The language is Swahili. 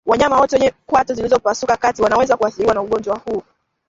Wanyama wote wenye kwato zilizopasuka kati wanaweza kuathiriwa na ugonjwa huu